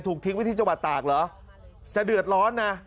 ทิ้งไว้ที่จังหวัดตากเหรอจะเดือดร้อนนะ